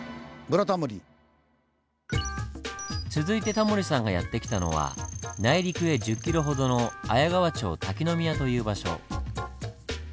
続いてタモリさんがやって来たのは内陸へ１０ｋｍほどの綾川町滝宮という場所。